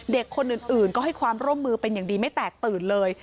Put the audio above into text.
เด็กคนอื่นก็ให้ความร่วมมือเป็นอย่างดีไม่แตกตื่นเลย